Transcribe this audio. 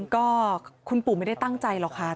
ก็คุณปู่ไม่ได้ตั้งใจหรอกค่ะ